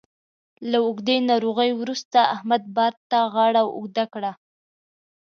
له اوږدې ناروغۍ وروسته احمد بار ته غاړه اوږده کړه